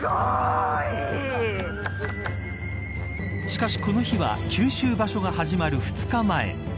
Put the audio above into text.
しかし、この日は九州場所が始まる２日前。